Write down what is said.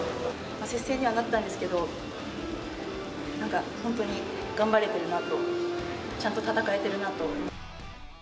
接戦にはなったんですけど、なんか、本当に頑張れてるなと、ちゃんと戦えてるなと。